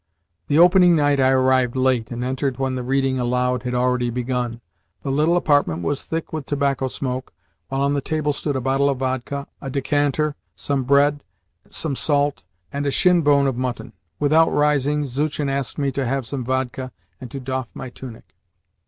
The opening night I arrived late, and entered when the reading aloud had already begun. The little apartment was thick with tobacco smoke, while on the table stood a bottle of vodka, a decanter, some bread, some salt, and a shin bone of mutton. Without rising, Zuchin asked me to have some vodka and to doff my tunic.